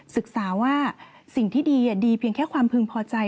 ศึกษาว่าสิ่งที่ดีดีเพียงแค่ความพึงพอใจ